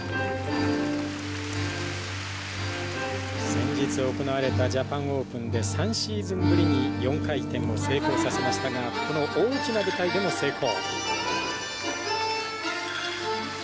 先日行われたジャパンオープンで３シーズンぶりに４回転を成功させましたがこの大きな舞台でも成功。